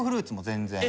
全然。